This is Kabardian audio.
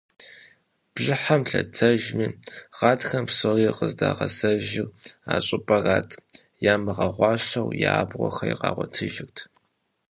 Бжьыхьэм лъэтэжми, гъатхэм псори къыздагъэзэжыр а щӏыпӏэрат, ямыгъэгъуащэу я абгъуэхэри къагъуэтыжырт.